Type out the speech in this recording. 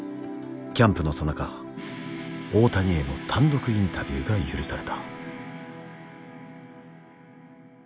キャンプのさなか大谷への単独インタビューが許された。